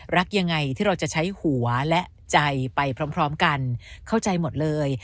รักยังไงที่เราจะใช้หัวและใจไปพร้อมกันเข้าใจหมดเลย